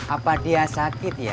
apa dia sakit ya